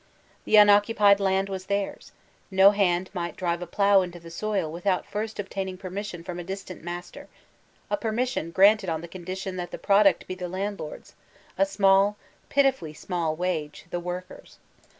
The unoccupied land was theirs; no hand might drive a plow into the soil without first obtaining permission from a distant master — a permission granted on the condition that the product be the landlord's, a small, pitifully small, wage, the worker's.